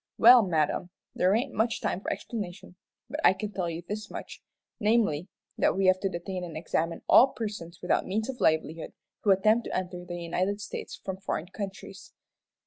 "Well, madam, there ain't much time for explanation, but I can tell you this much, namely, that we have to detain and examine all persons without means of livelihood who attempt to enter the United States from foreign countries."